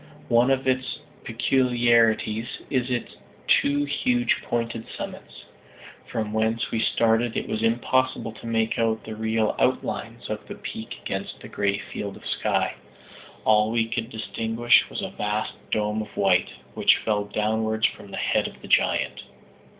One of its peculiarities is its two huge pointed summits. From whence we started it was impossible to make out the real outlines of the peak against the grey field of sky. All we could distinguish was a vast dome of white, which fell downwards from the head of the giant.